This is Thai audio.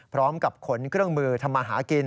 พร้อมกับขนเครื่องมือทำมาหากิน